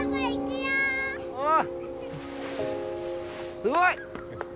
すごい！